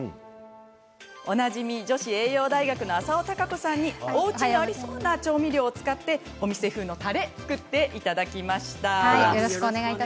おなじみ女子栄養大学の浅尾貴子さんにおうちにありそうな調味料を使ってお店風のたれを作っていただきました。